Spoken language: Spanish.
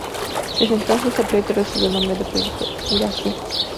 Desde entonces, el proyecto recibió el nombre de Proyecto Irazú.